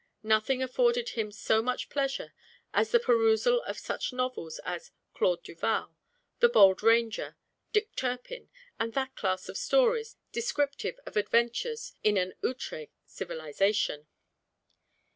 Nothing afforded him so much pleasure as the perusal of such novels as "Claude Duval," "The Bold Ranger," "Dick Turpin," and that class of stories descriptive of adventures in an outre civilization.